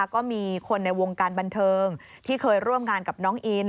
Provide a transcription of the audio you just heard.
ก็มีคนในวงการบันเทิงที่เคยร่วมงานกับน้องอิน